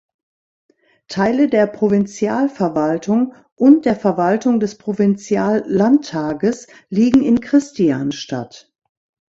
Teile der Provinzialverwaltung und der Verwaltung des Provinziallandtages liegen in Kristianstad.